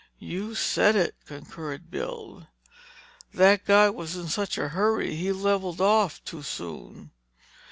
"You said it—" concurred Bill. "That guy was in such a hurry he leveled off too soon.